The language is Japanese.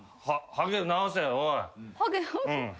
ハゲ直せ。